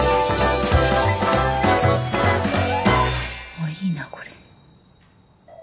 あっいいなこれ。